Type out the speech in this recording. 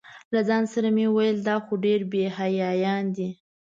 له ځان سره مې ویل دا خو ډېر بې حیایان دي.